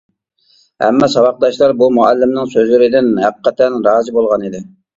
ھەممە ساۋاقداشلار بۇ مۇئەللىمنىڭ سۆزلىرىدىن ھەقىقەتەن رازى بولغان ئىدى.